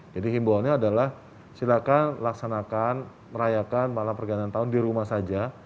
jadi himbawannya adalah silakan laksanakan merayakan malam pergian tahun di rumah saja